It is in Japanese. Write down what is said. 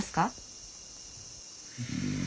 うん。